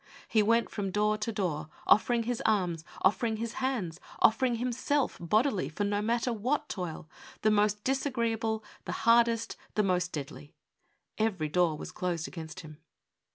He went from door to door, offering his arms, offbring his hands, offering himself bodily for no matter what toil, the most disagreeable, the hardest, the most deadly. Every door was closed against him.